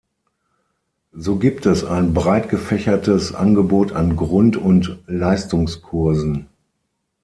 So gibt es ein breitgefächertes Angebot an Grund- und Leistungskursen.